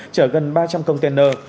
trở gần ba trăm linh container